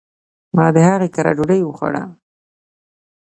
ما د هغي کره ډوډي وخوړه